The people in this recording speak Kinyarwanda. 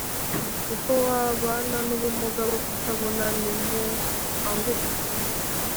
Uko wabana n ubumuga bwo kutabona Nimukanguke